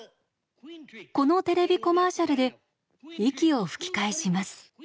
このテレビコマーシャルで息を吹き返します。